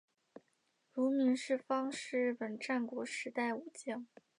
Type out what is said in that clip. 芦名氏方是日本战国时代武将。